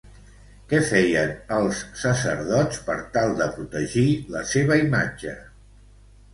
Què feien els sacerdots per tal de protegir la seva imatge?